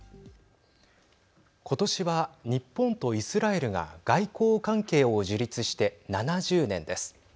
今年は日本とイスラエルが外交関係を樹立して７０年です。